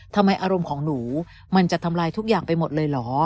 ทำไมอารมณ์ของหนูมันจะทำลายทุกอย่างไปหมดเลยเหรอ